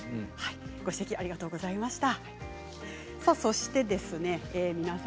ご指摘ありがとうございました。